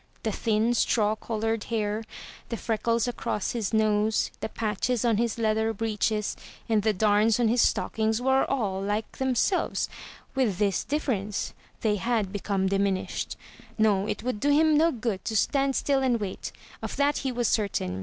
The thin, straw coloured hair; the freckles across his nose; the patches on his leather breeches, and the dams on his stockings were all like themselves, with this difference; they had become diminished. No, it would do him no good to stand still and wait, of that he was certain.